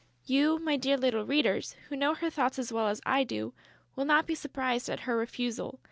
You, my dear little readers, who know her thoughts as well as I do, will not be surprised at her refusal.